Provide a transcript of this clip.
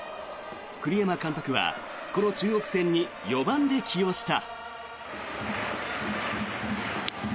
栗山監督はこの中国戦に４番で起用した。